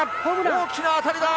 大きな当たりだ！